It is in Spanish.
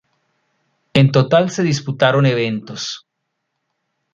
En total se disputaron eventos.